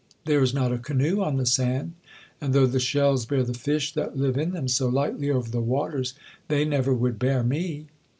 —there is not a canoe on the sand; and though the shells bear the fish that live in them so lightly over the waters, they never would bear me.